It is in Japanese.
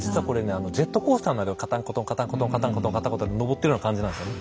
あのジェットコースターのカタンコトンカタンコトンカタンコトンカタンコトン上ってるような感じなんですよね。